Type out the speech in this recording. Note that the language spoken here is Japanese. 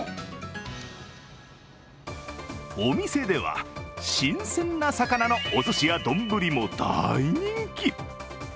お店では、新鮮な魚のおすしや丼も大人気。